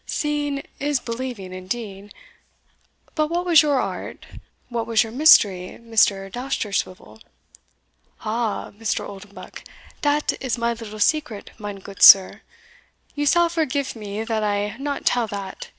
"Seeing is believing indeed. But what was your art what was your mystery, Mr. Dousterswivel?" "Aha, Mr. Oldenbuck! dat is my little secret, mine goot sir you sall forgife me that I not tell that.